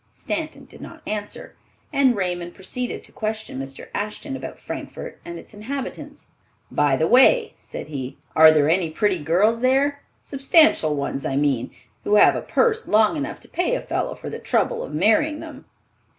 Stanton did not answer, and Raymond proceeded to question Mr. Ashton about Frankfort and its inhabitants. "By the way," said he, "are there any pretty girls there? Substantial ones, I mean, who have a purse long enough to pay a fellow for the trouble of marrying them?"